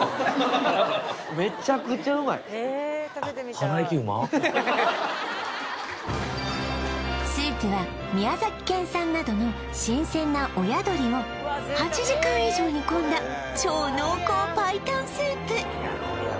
あっスープは宮崎県産などの新鮮なおや鶏を８時間以上煮込んだ超濃厚白湯スープ